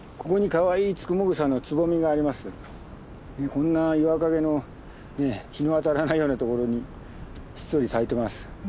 こんな岩陰の日の当たらないようなところにひっそり咲いてます。